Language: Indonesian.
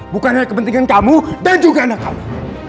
bukannya kepentingan kamu dan juga anak kamu